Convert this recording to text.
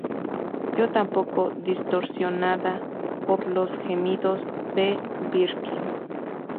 Yo tampoco", distorsionada por los gemidos de Birkin.